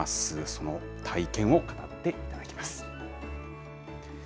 その体験を語っていただきます。